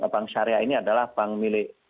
bank syariah ini adalah bank milik